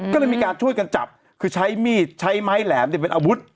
ก็เลยมีการช่วยกันจับคือใช้มีดใช้ไม้แหลมเนี่ยเป็นอาวุธ